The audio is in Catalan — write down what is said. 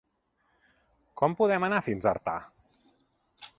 Com podem anar fins a Artà?